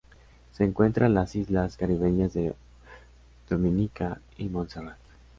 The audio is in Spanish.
Se encuentra en las islas caribeñas de Dominica y Montserrat.